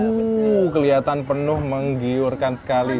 wuh kelihatan penuh menggiurkan sekali